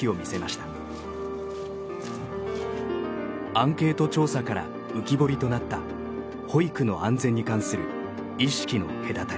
アンケート調査から浮き彫りとなった保育の安全に関する意識の隔たり。